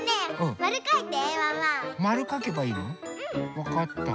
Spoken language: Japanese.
わかった。